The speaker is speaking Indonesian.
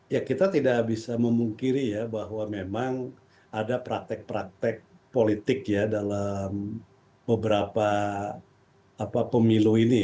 ya kita tidak bisa memungkiri ya bahwa memang ada praktek praktek politik ya dalam beberapa pemilu ini